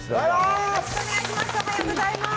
よろしくお願いします。